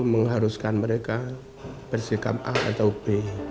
mengharuskan mereka bersikap a atau b